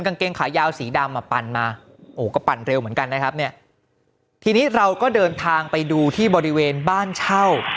กางเกงขายาวสีดำอ่ะปั่นมาโอ้ก็ปั่นเร็วเหมือนกันนะครับเนี่ยทีนี้เราก็เดินทางไปดูที่บริเวณบ้านเช่า